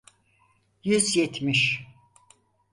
Yüz yetmiş.